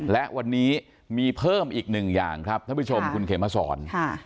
และวันนี้มีเพิ่มอีกหนึ่งอย่างครับท่านผู้ชมคุณเขมสอน